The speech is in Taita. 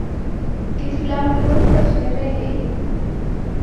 Kifula nguw'o niko sherehe iko